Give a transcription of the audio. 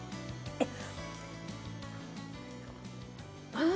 えっ？